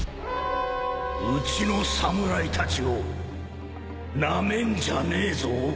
うちの侍たちをなめんじゃねえぞ。